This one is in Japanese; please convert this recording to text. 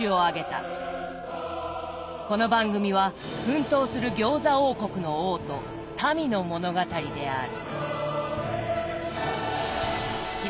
この番組は奮闘する餃子王国の王と民の物語である。